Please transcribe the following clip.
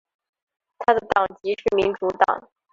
他的党籍是民主党。